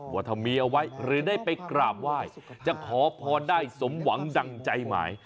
ว่าถ้ามีเอาไว้หรือได้ไปกราบไหว้จะขอพรได้สมหวังดังใจหมาย